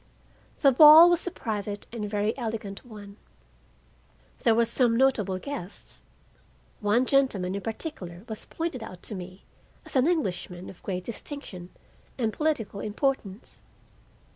The ball was a private and very elegant one. There were some notable guests. One gentleman in particular was pointed out to me as an Englishman of great distinction and political importance.